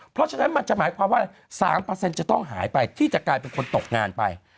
เพราะฉะนั้นมันจะหมายความว่า๓จะต้องหายไปที่จะกลายเป็นคนตกงานไป